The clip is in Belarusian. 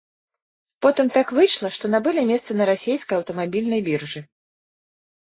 Потым так выйшла, што набылі месца на расейскай аўтамабільнай біржы.